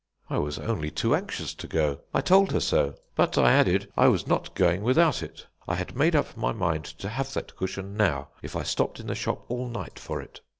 "I was only too anxious to go. I told her so. But, I added I was not going without it. I had made up my mind to have that cushion now if I stopped in the shop all night for it.